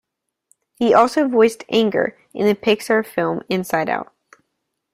He also voiced Anger in the Pixar film "Inside Out".